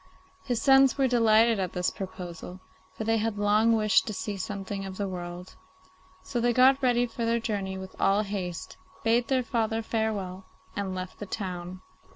His sons were delighted at this proposal, for they had long wished to see something of the world, so they got ready for their journey with all haste, bade their father farewell, and left the town.